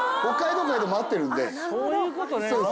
北海道会でも会ってるんでそういうことね